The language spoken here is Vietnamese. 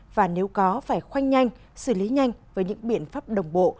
và nếu có phải khoanh nhanh xử lý nhanh với những biện pháp đồng bộ